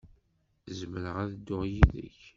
Zemreɣ ad dduɣ yid-k?